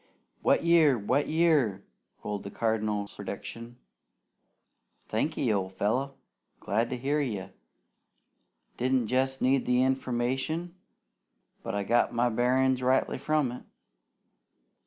"Wet year! Wet year!" rolled the Cardinal's prediction. "Thanky, old fellow! Glad to hear you! Didn't jest need the information, but I got my bearin's rightly from it!